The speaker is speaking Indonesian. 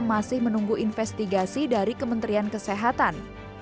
masih menunggu investigasi dari kementerian kesehatan